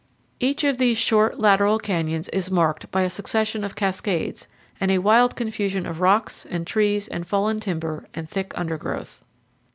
Each of these short lateral canyons is marked by a succession of cascades and a wild confusion of rocks and trees and fallen timber and thick undergrowth.